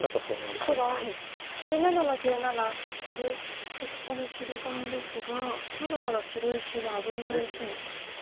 そしてここで白番ですがまだまだ白石は危ない石なんでしょうか。